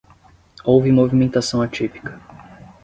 Houve movimentação atípica